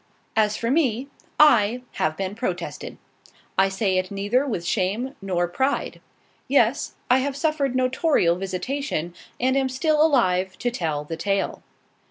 As for me, I have been protested. I say it neither with shame nor pride. Yes, I have suffered notarial visitation, and am still alive to tell the tale.